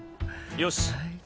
よし。